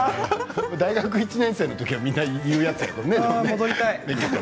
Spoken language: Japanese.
大学１年生のときはみんな言うやつよね。